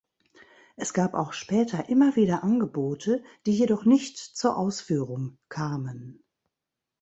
Es gab auch später immer wieder Angebote, die jedoch nicht zur Ausführung kamen.